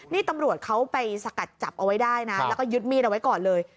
นี่ตำรวจเขาไปสกัดจับเอาไว้ได้นะแล้วก็ยึดมีดเอาไว้ก่อนเลย